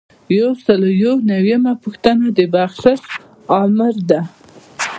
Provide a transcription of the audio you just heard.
یو سل او یو نوي یمه پوښتنه د بخشش آمر دی.